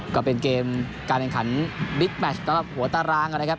ก็เป็นเกมการแข่งขันบิ๊กแมชสำหรับหัวตารางนะครับ